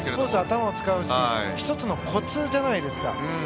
スポーツは頭を使うし１つのコツじゃないですか。